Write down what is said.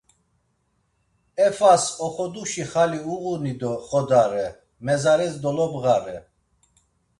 Efas oxoduşi xali uğuni do xodare, mezares dolobğare.